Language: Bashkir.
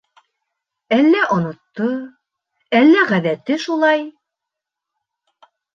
Әллә онотто, әллә ғәҙәте шулай.